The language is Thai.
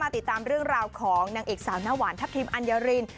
ติดตามเรื่องราวของนางเอกสาวหน้าหวานทัพทิมอัญญาริน